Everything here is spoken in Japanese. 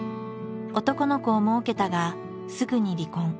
男の子をもうけたがすぐに離婚。